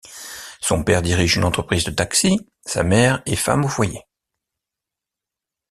Son père dirige une entreprise de taxis, sa mère est femme au foyer.